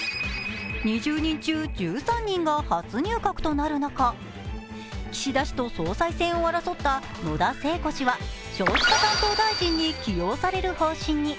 ２０人中１３人が初入閣となる中、岸田氏と総裁選を争った野田聖子氏は少子化担当大臣に起用される方針に。